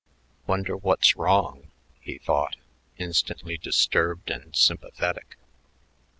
"Wonder what's wrong," he thought, instantly disturbed and sympathetic.